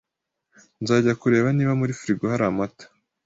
Nzajya kureba niba muri firigo hari amata